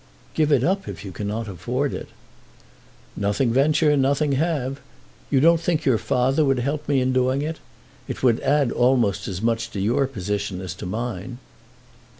"Give it up if you cannot afford it." "Nothing venture nothing have. You don't think your father would help me in doing it? It would add almost as much to your position as to mine."